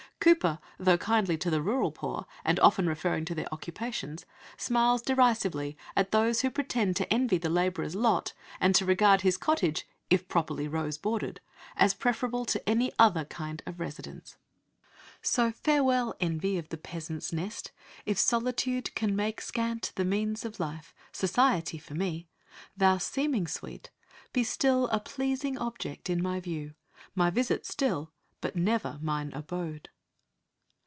Cowper, though kindly to the rural poor, and often referring to their occupations, smiles derisively at those who pretend to envy the labourer's lot and to regard his cottage, if properly "rose bordered," as preferable to any other kind of residence. "So farewell envy of the peasant's nest! If Solitude make scant the means of life, Society for me! thou seeming sweet, Be still a pleasing object in my view; My visit still, but never mine abode."